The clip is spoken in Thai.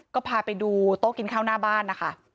ก็พาไปดูโต๊ะกินข้าวหน้าบ้านนะคะ